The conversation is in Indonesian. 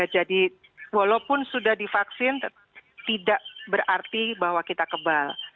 jadi walaupun sudah divaksin tidak berarti bahwa kita kebal